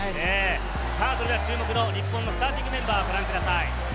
それでは注目の日本のスターティングメンバーをご覧ください。